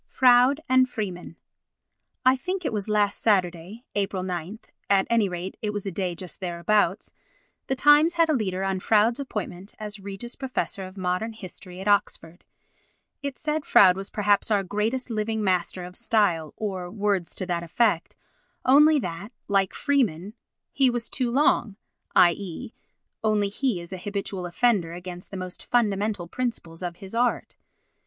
Froude and Freeman I think it was last Saturday (Ap. 9) (at any rate it was a day just thereabouts) the Times had a leader on Froude's appointment as Reg. Prof. of Mod. Hist. at Oxford. It said Froude was perhaps our greatest living master of style, or words to that effect, only that, like Freeman, he was too long: i.e. only he is an habitual offender against the most fundamental principles of his art.